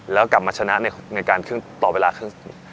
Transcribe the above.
แล้วกลับมาชนะในการครึ่งต่อเวลาครึ่ง